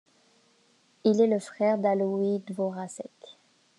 Il est le frère d'Alois Dvořáček.